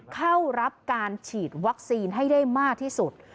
เข้ารับการฉีดวัคซีนให้ได้มากที่สุด